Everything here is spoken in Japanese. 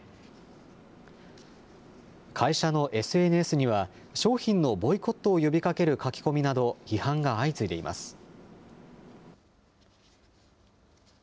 会社のＳＮＳには商品のボイコットを呼びかける書き込みなど批判が相次いでいます。